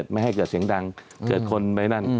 ไม่ให้เกิดเสียงดังเกิดคนไปนั่น